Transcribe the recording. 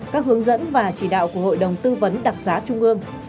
các hướng dẫn và chỉ đạo của hội đồng tư vấn đặc giá trung ương